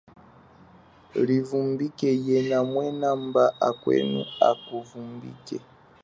Livumbike yena mwena mba akwenu aku vumbike.